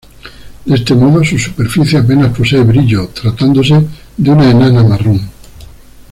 De este modo, su superficie apenas posee brillo, tratándose de una enana marrón.